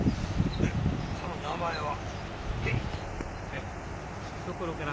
でその名前は？